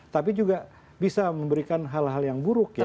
tapi juga bisa memberikan hal hal yang buruk ya